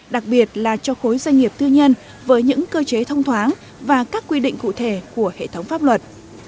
đặc biệt là cho khối doanh nghiệp tư nhân với những cơ chế thông thoáng và các quy định cụ thể của hệ thống pháp luật